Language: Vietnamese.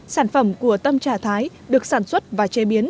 sản phẩm của tâm trà thái được sản xuất và chế biến